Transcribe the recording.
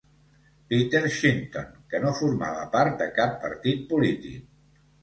Peter Shinton, que no formava part de cap partit polític.